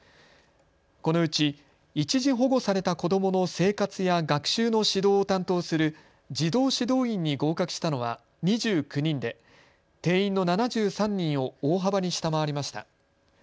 このうち一時保護された子どもの生活や学習の指導を担当する児童指導員に合格したのは２９人で定員の７３人を大幅に下回りました。